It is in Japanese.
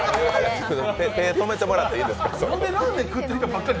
手止めてもらってよろしいですか。